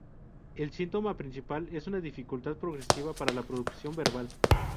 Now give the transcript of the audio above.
El síntoma principal es una dificultad progresiva para la producción verbal.